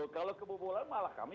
kalau kebobolan malah kami